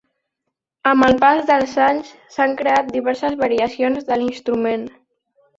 Amb el pas dels anys, s'han creat diverses variacions de l'instrument.